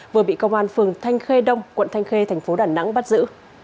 vừa bị công an phường thanh khê đông quận thanh khê thành phố đà nẵng bắt giữ